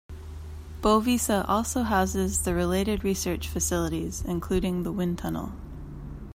Bovisa also houses the related research facilities, including the wind tunnel.